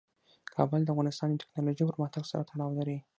کابل د افغانستان د تکنالوژۍ پرمختګ سره تړاو لري.